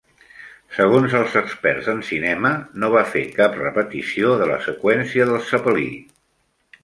Segons els experts en cinema, no va fer cap repetició de la seqüència del zepelí.